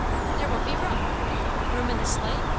"There won't be room." "Room in the sleigh?